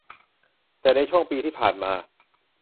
แต่ในช่วงปีที่ผ่านมา